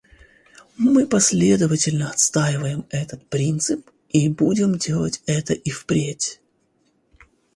Мы последовательно отстаиваем этот принцип и будем делать это и впредь.